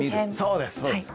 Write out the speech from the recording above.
そうですそうです。